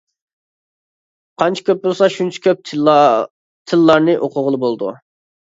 قانچە كۆپ بولسا شۇنچە كۆپ تىللارنى ئوقۇغىلى بولىدۇ.